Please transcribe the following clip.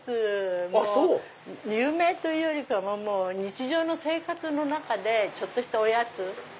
有名というよりかは日常の生活の中でちょっとしたおやつ。